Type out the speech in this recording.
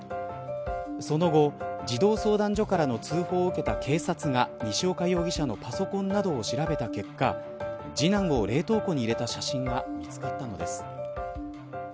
その後、児童相談所からの通報を受けた警察が、西岡容疑者のパソコンなどを調べた結果次男を冷凍庫に入れた写真が見つかったのです。